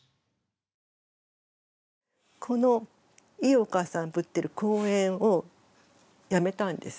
このいいお母さんぶってる講演をやめたんですよ。